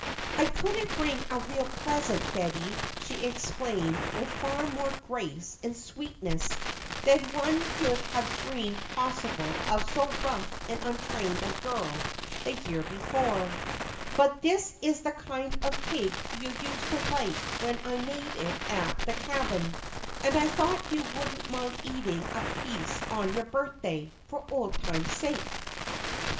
"I couldn't bring a real present, Betty," she explained with far more grace and sweetness than one could have dreamed possible of so rough and untrained a girl the year before, "but this is the kind of cake you used to like when I made it at the cabin and I thought you wouldn't mind eating a piece on your birthday for old times' sake."